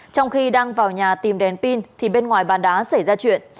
trong khi đang vào nhà tìm đèn pin thì bên ngoài bàn đá xảy ra chuyện